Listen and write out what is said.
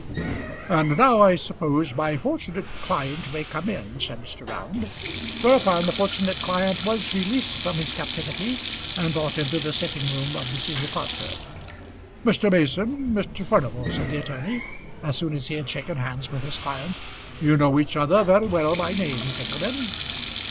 "And now, I suppose, my fortunate client may come in," said Mr. Round. Whereupon the fortunate client was released from his captivity, and brought into the sitting room of the senior partner. "Mr. Mason, Mr. Furnival," said the attorney, as soon as he had shaken hands with his client. "You know each other very well by name, gentlemen."